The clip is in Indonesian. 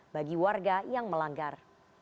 bagi warga yang melanggar